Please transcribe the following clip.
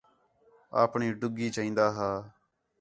اپݨی ݙڳی چئین٘دا ہا